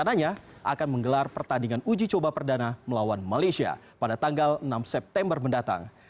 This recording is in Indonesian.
rencananya akan menggelar pertandingan uji coba perdana melawan malaysia pada tanggal enam september mendatang